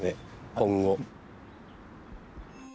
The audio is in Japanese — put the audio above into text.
今後。